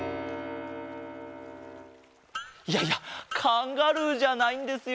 いやいやカンガルーじゃないんですよ